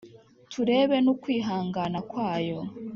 turebe n’ukwihangana kwayo.